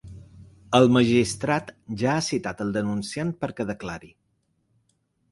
El magistrat ja ha citat el denunciant perquè declari.